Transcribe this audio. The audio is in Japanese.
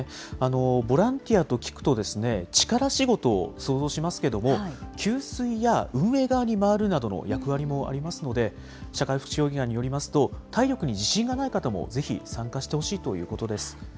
ボランティアと聞くと、力仕事を想像しますけれども、給水や運営側に回るなどの役割もありますので、社会福祉協議会によりますと、体力に自信がない方も、ぜひ参加してほしいということです。